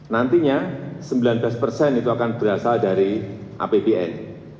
nantinya sembilan belas persen itu akan berasal dari apbn